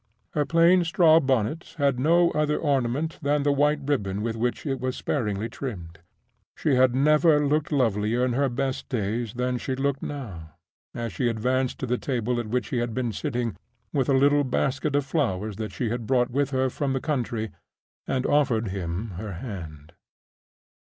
Her plain straw bonnet had no other ornament than the white ribbon with which it was sparingly trimmed. She had never looked lovelier in her best days than she looked now, as she advanced to the table at which he had been sitting, with a little basket of flowers that she had brought with her from the country, and offered him her hand.